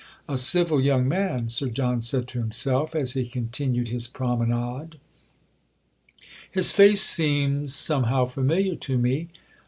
"A civil young man," Sir John said to himself, as he continued his promenade; "his face seems somehow familiar to me."